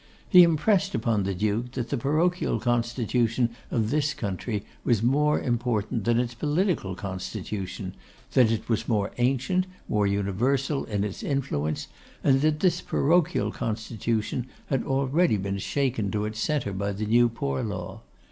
He impressed upon the Duke that the parochial constitution of this country was more important than its political constitution; that it was more ancient, more universal in its influence; and that this parochial constitution had already been shaken to its centre by the New Poor Law.